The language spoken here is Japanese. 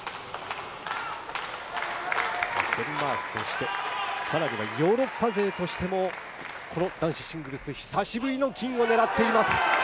デンマークとして、さらにはヨーロッパ勢としても、この男子シングルス、久しぶりの金を狙っています。